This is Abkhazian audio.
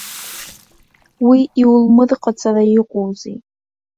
Уи иулмырҟаҵара иҟоузеи!